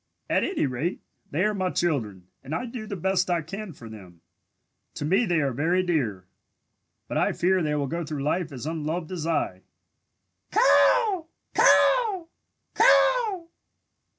"At any rate, they are my children and I do the best I can for them. To me they are very dear, but I fear they will go through life as unloved as I! Caw! Caw! Caw!"